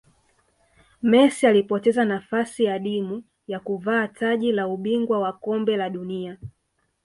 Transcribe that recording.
messi alipoteza nafasi adimu ya kuvaa taji la ubingwa wa kombe la dunia